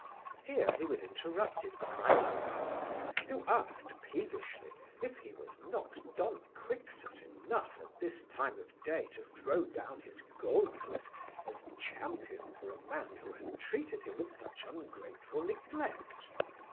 Here he was interrupted by my uncle; who asked peevishly if he was Don Quixote enough, at this time of day, to throw down his gauntlet as champion for a man who had treated him with such ungrateful neglect.